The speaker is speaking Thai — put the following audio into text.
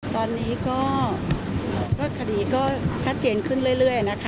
ตอนนี้ก็คดีก็ชัดเจนขึ้นเรื่อยนะคะ